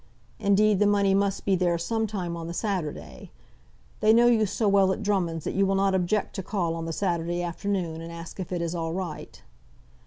Indeed, the money must be there some time on the Saturday. They know you so well at Drummonds' that you will not object to call on the Saturday afternoon, and ask if it is all right.